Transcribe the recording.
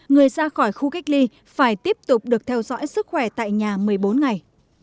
người ra khỏi khu cách ly phải tiếp tục được theo dõi sức khỏe tại nhà một mươi bốn ngày